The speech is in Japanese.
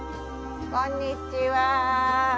こんにちは。